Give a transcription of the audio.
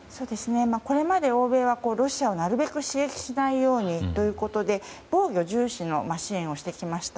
これまで欧米は、ロシアをなるべく刺激しないようにということで防御重視の支援をしてきました。